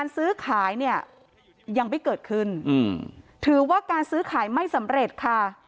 ซื้อขายเนี่ยยังไม่เกิดขึ้นถือว่าการซื้อขายไม่สำเร็จค่ะ